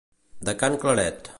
De can Claret.